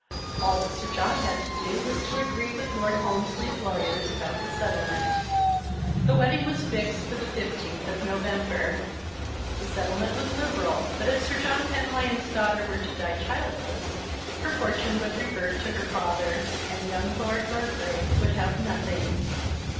All that Sir John had to do was to agree with Lord Holmsley's lawyers about the settlement. The wedding was fixed for the fifteenth of November. The settlement was liberal, but if Sir John Penlyon's daughter were to die childless, her fortune would revert to her father, and young Lord Lurgrave would have nothing.